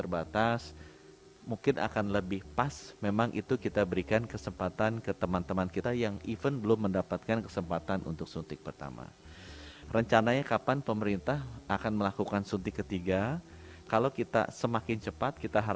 biaya yang tidak terlalu mahal